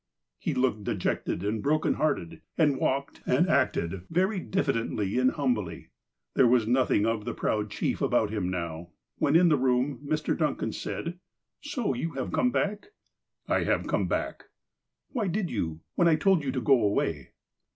He looked dejected, and broken hearted, and walked and acted very diffidently and humbly. There was noth ing of the proud chief about him now ! When in the room, Mr. Duncan said :" So you have come back ?"'' I have come back." '' Why did you, when I told you to go away